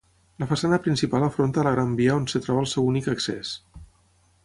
La façana principal afronta a la Gran Via on es troba el seu únic accés.